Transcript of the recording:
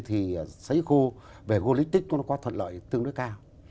thì xấy khô về logistic nó có thuận lợi tương đối cao